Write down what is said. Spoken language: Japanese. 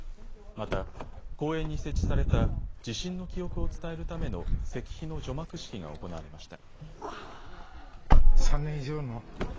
また公園に設置された地震の記憶を伝えるための石碑の除幕式が行われました。